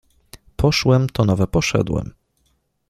Poszłem to nowe poszedłem.